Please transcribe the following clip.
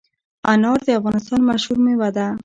انار د افغانستان مشهور مېوه ده.